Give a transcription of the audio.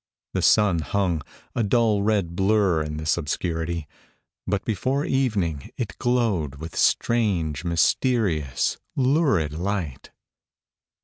The sun hung, a dull red blur in this obscurity ; but before evening it glowed with strange, mysterious, lurid light.